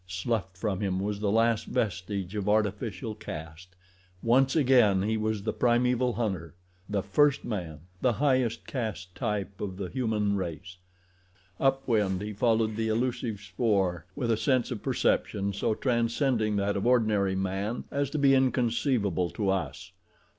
Sloughed from him was the last vestige of artificial caste—once again he was the primeval hunter—the first man—the highest caste type of the human race. Up wind he followed the elusive spoor with a sense of perception so transcending that of ordinary man as to be inconceivable to us.